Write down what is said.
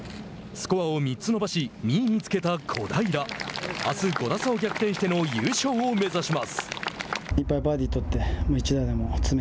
スコアを３つ伸ばし２位につけた小平あす５打差を逆転しての優勝を目指します。